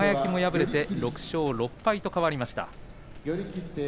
輝も敗れて６勝６敗と変わりました。